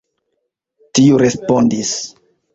Tiu respondis.